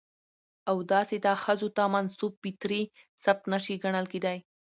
او داسې دا ښځو ته منسوب فطري صفت نه شى ګڼل کېداى.